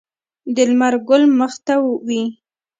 د لمر ګل مخ لمر ته وي.